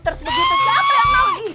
tersebut itu siapa yang mau